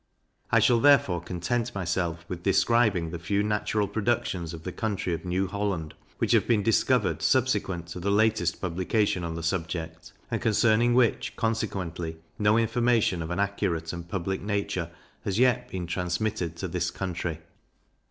I shall therefore content myself with describing the few natural productions of the country of New Holland, which have been discovered subsequent to the latest publication on the subject, and concerning which, consequently, no information of an accurate and public nature has yet been transmitted to this country.